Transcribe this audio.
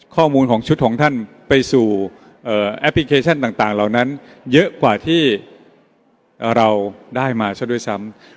ข้อมูลของชุดของท่านไปสู่แอปพลิเคชันต่างเหล่านั้นเยอะกว่าที่เราได้มาซะด้วยซ้ำ